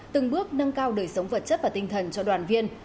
từng bước nâng cao đời sống vật chất và tinh thần cho đoàn viên